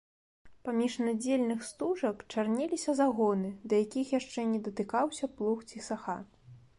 Паміж надзельных стужак чарнеліся загоны, да якіх яшчэ не датыкаўся плуг ці саха.